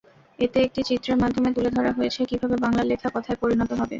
এতে একটি চিত্রের মাধ্যমে তুলে ধরা হয়েছে কীভাবে বাংলা লেখা কথায় পরিণত হবে।